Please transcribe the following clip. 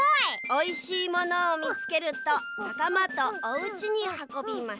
「おいしいものをみつけるとなかまとおうちにはこびます」。